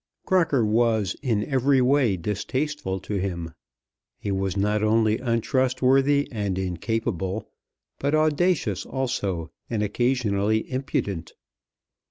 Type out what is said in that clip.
Crocker was in every way distasteful to him. He was not only untrustworthy and incapable, but audacious also, and occasionally impudent.